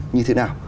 như thế nào